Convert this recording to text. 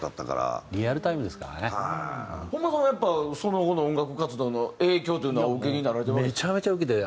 本間さんはやっぱその後の音楽活動の影響というのはお受けになられて？